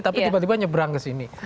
tapi tiba tiba nyebrang ke sini